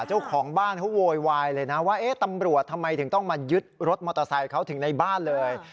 เจ้าของบ้านเขาโวยวายเลยนะว่าเอ๊ะตำรวจทำไมถึงต้องมายึดรถมอเตอร์ไซค์เขาถึงในบ้านเลย